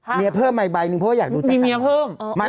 วิเมียเพิ่มใหม่ใบนึงเพราะว่าอยากดูแจ๊คทัน